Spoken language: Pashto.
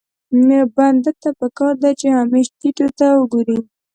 بنده ته پکار ده چې همېش ټيټو ته وګوري.